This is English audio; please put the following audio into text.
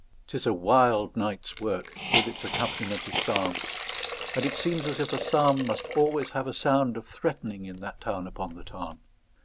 'Tis a wild night's work, with its accompaniment of psalms; and it seems as if a psalm must always have a sound of threatening in that town upon the Tarn.